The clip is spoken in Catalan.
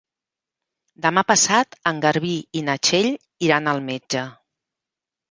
Demà passat en Garbí i na Txell iran al metge.